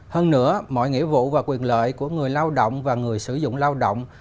hơn nữa mọi nghĩa vụ và quyền lợi của người lao động và người sử dụng lao động